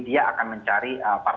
dia akan mencari partisipasi